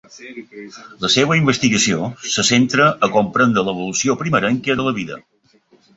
La seva investigació se centra a comprendre l'evolució primerenca de la vida.